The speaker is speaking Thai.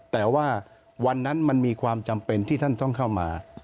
แต่ว่าวันนั้นมันมีความจำเป็นที่ท่านต้องเข้ามา